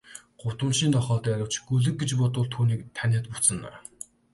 Гудамжны нохой дайравч, гөлөг гэж дуудвал түүнийг таниад буцна.